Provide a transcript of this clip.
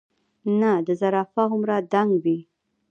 نۀ د زرافه هومره دنګ وي ،